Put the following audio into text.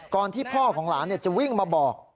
ที่พ่อของหลานจะวิ่งมาบอก